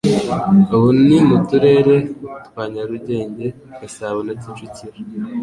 Ubu ni mu Turere twa Nyarugenge, Gasabo na Kicukiro.